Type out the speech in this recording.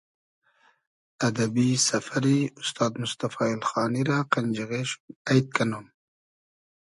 ادئبی سئفئری اوستاد موستئفا اېلخانی رۂ قئنجیغې شوم اݷد کئنوم